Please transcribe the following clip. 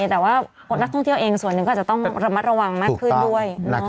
แต่ว่านักท่องเที่ยวเองส่วนหนึ่งก็อาจจะต้องระมัดระวังมากขึ้นด้วย